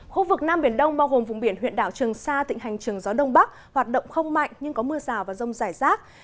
khu vực nam biển đông bao gồm vùng biển huyện đảo trường sa tịnh hành trường gió đông bắc hoạt động không mạnh nhưng có mưa rào và rông rải rác